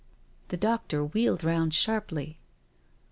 The doctor wheeled round sharply.